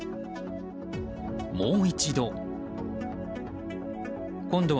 もう一度。